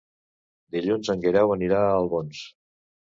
Dilluns en Guerau anirà a Albons.